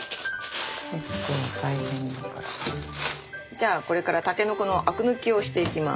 じゃあこれからたけのこのアク抜きをしていきます。